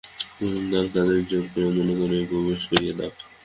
সুতরাং তাদের জোর করে মনে প্রবেশ করিয়ে দাও।